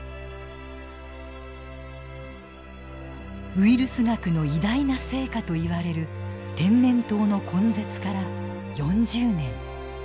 ウイルス学の偉大な成果といわれる天然痘の根絶から４０年。